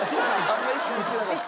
あんま意識してなかった。